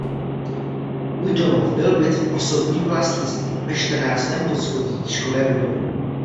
Můj domov byl byt v osobním vlastnictví ve čtrnáctém poschodí výškové budovy.